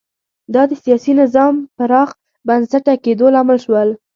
دا د سیاسي نظام پراخ بنسټه کېدو لامل شول